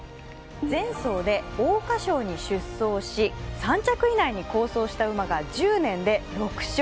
前走で桜花賞に出走し、３着以内に好走した馬が６勝。